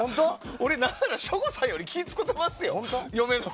俺、何なら省吾さんより気を使ってますよ。